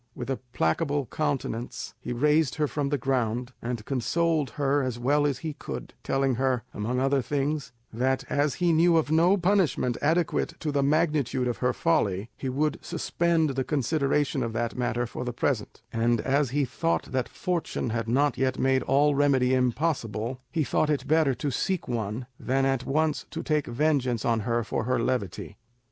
With a placable countenance he raised her from the ground, and consoled her as well as he could, telling her, among other things, that as he knew of no punishment adequate to the magnitude of her folly, he would suspend the consideration of that matter for the present; and as he thought that fortune had not yet made all remedy impossible, he thought it bettor to seek one than at once to take vengeance on her for her levity.